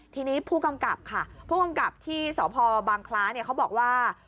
ทีนี้ผู้กำกับค่ะผู้กำกับที่สพบางคล้าเนี่ยเขาบอกว่า